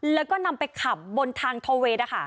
แล้วก็นำไปขับบนทางทอเวย์นะคะ